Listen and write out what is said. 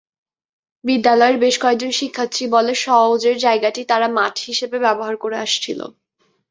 বিদ্যালয়ের বেশ কয়েকজন শিক্ষার্থী বলে, সওজের জায়গাটি তারা মাঠ হিসেবে ব্যবহার করে আসছিল।